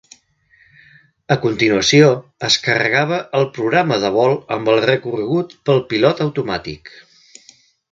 A continuació, es carregava el programa de vol amb el recorregut pel pilot automàtic.